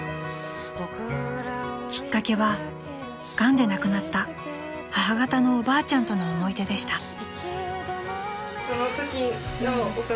［きっかけはがんで亡くなった母方のおばあちゃんとの思い出でした］